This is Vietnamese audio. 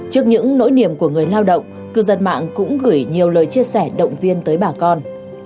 trước những nỗi niềm của người lao động cư dân mạng cũng gửi nhiều lời chia sẻ động viên tới bà con